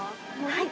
はい。